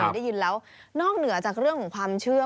ได้ยินแล้วนอกเหนือจากเรื่องของความเชื่อ